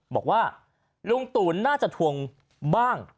บอกว่าลุงตู่น่าจะทวงบ้าง